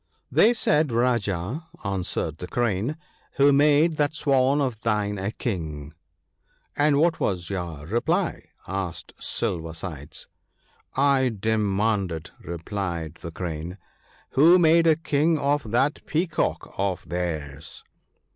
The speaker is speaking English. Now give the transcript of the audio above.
'They said, Rajah,' answered the Crane, "who made that Swan of thine a King ?"' And what was your reply ?' asked Silver sides. ' I demanded,' replied the Crane, ' who made a King of that Peacock of theirs.